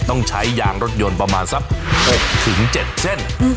ต้องใช้ยางรถยนต์ประมาณสักอวกถึงเจ็ดเส้น